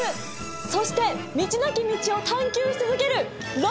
そして道なき道を探究し続けるロマン！